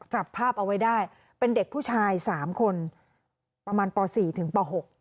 จับภาพเอาไว้ได้เป็นเด็กผู้ชาย๓คนประมาณป๔ถึงป๖